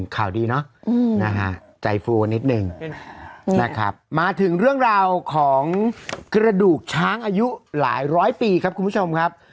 ข่าวดีเนาะใจฟูนิดนึงนะครับมาถึงเรื่องราวของกระดูกช้างอายุหลายร้อยปีครับคุณผู้ชมครับ